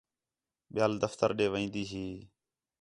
ٻِیال دفتر ݙے وین٘دی ہی